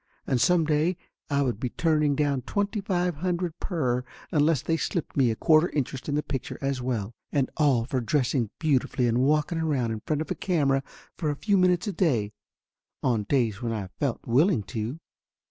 And some day I would be turning down twenty five hundred per unless they slipped me a quarter interest in the picture as well. And all for dressing beauti fully and walking around in front of a camera for a few minutes a day on days when I felt willing to.